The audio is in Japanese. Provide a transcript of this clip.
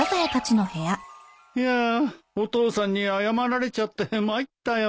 いやあお父さんに謝られちゃって参ったよ。